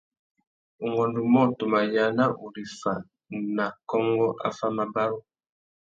Ungôndumô, tu mà yāna ureffa nà kônkô affámabarú.